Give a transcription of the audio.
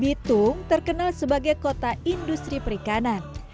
bitung terkenal sebagai kota industri perikanan